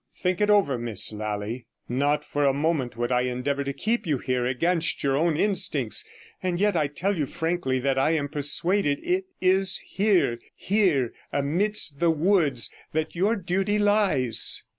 Think over it, Miss Lally; not for a moment would I endeavour to keep you here against your own instincts, and yet I tell you frankly that I am persuaded it is here, here amidst the woods, that your duty lies.'